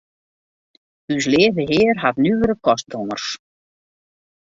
Us Leave Hear hat nuvere kostgongers.